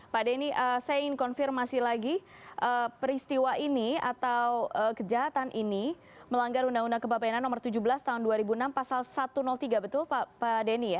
pak denny saya ingin konfirmasi lagi peristiwa ini atau kejahatan ini melanggar undang undang kebapenanan nomor tujuh belas tahun dua ribu enam pasal satu ratus tiga betul pak denny ya